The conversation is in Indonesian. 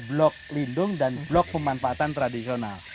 blok lindung dan blok pemanfaatan tradisional